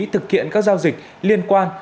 thực hiện các giao dịch liên quan